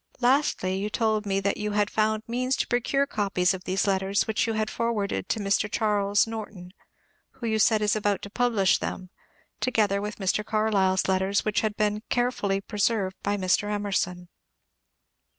Lastly, you told me that you had found means to procure copies of these let ters, which you had forwarded to Mr. Charles Norton, who you said is about to publish them, together with Mr. Carlyle's letters, which had been carefully preserved by Mr. Emerson.